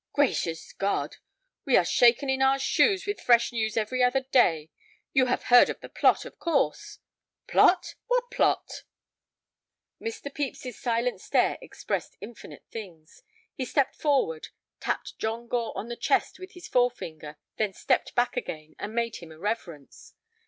Gracious God, we are shaken in our shoes with fresh news every other day! You have heard of the Plot, of course." "Plot! What plot?" Mr. Pepys's silent stare expressed infinite things. He stepped forward, tapped John Gore on the chest with his forefinger, then stepped back again, and made him a reverence.